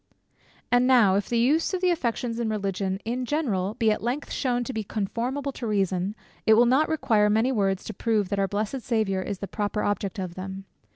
And now, if the use of the affections in religion, in general, be at length shewn to be conformable to reason, it will not require many words to prove that our blessed Saviour is the proper object of them.